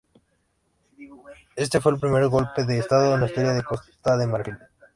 Este fue el primer golpe de estado en la historia de Costa de Marfil.